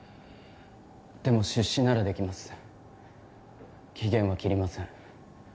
でも出資ならできます期限は切りません